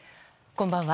こんばんは。